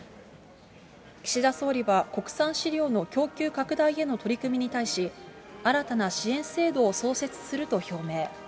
岸田総理は国産飼料の供給拡大への取り組みに対し、新たな支援制度を創設すると表明。